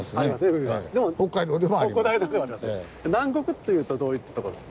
南国っていうとどういったとこですか？